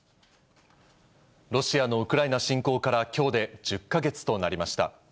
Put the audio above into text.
ロシアのウクライナ侵攻からきょうで１０か月となりました。